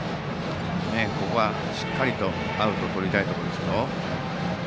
ここはしっかりとアウトをとりたいですね、石橋は。